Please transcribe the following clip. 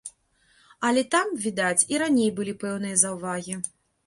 Але там, відаць, і раней былі пэўныя заўвагі.